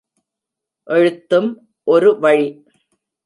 எழுத்தும் ஒரு வழி.